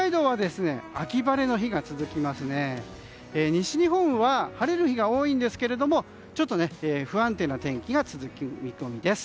西日本は晴れる日が多いんですけれどもちょっと不安定な天気が続く見込みです。